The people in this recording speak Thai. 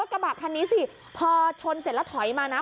สวัสดีสวัสดี